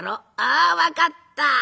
「ああ分かった。